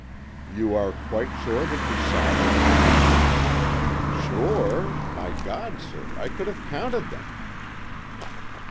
"You are quite sure that you saw them?" "Sure? My God, sir, I could have counted them!"